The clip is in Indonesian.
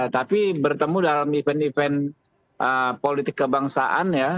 tapi bertemu dalam event event politik kebangsaan ya